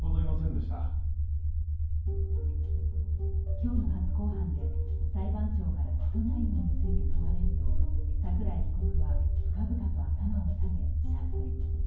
今日の初公判で裁判長から起訴内容について問われると、桜井被告は深々と頭を下げ謝罪。